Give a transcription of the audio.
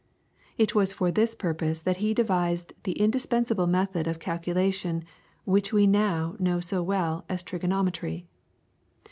It was for this purpose that he devised the indispensable method of calculation which we now know so well as trigonometry.